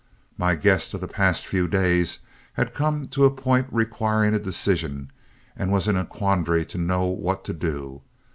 My guest of the past few days had come to a point requiring a decision and was in a quandary to know what to do.